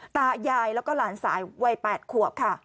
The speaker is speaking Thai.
ตายายแล้วก็หลานสาววัย๘ขวบค่ะ